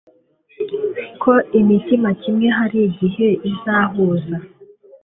ko imitima kimwe hari igihe izahuza